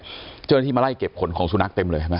เจ้าหน้าที่มาไล่เก็บขนของสุนัขเต็มเลยเห็นไหม